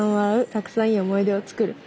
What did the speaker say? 「たくさん良い思い出をつくる」。